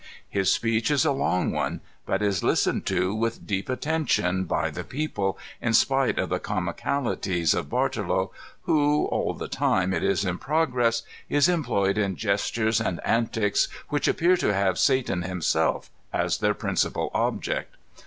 His speech is a long one, but is listened to with deep attention by the people, in spite of the comicalities of Bartolo, who, all the time it is in progress, is employed in gestures and antics which appear to have Satan himself as their principal object.